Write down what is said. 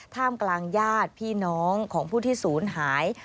ท่ามกลางญาติพี่น้องของผู้ที่ศูนย์หาย